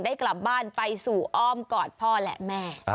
ได้กลับบ้านไปสู่อ้อมกอดพ่อและแม่